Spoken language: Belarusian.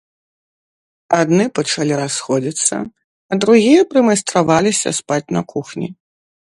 Адны пачалі расходзіцца, а другія прымайстраваліся спаць на кухні.